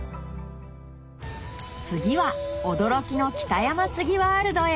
次は驚きの北山杉ワールドへ